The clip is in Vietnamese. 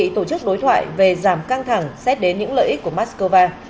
tổ chức đối thoại về giảm căng thẳng xét đến những lợi ích của moscow